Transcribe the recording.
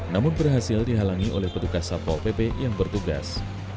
namun berhasil dihalangi oleh petugas satpol pp yang bertugas